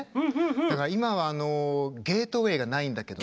だから、今は、あのゲートウェイがないんだけど。